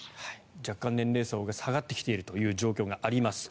若干、年齢層が下がってきている状況があります。